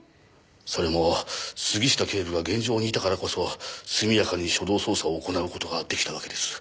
それも杉下警部が現場にいたからこそすみやかに初動捜査を行う事が出来たわけです。